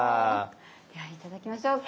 では頂きましょうか。